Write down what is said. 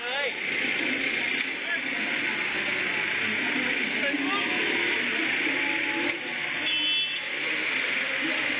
แล้วท้ายที่สุดก็ชักเกรงหมดสติอยู่